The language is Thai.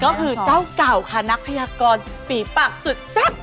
ก็คือเจ้าเก่าค่ะนักพยากรฝีปากสุดแซ่บ